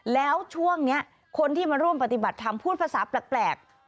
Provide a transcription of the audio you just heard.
แล้วช่วงนี้คนที่มาร่วมปฏิบัติธรรมพูดภาษาแปลก